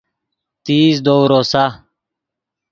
تیز دؤ روسا